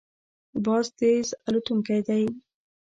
باز تېز الوتونکی دی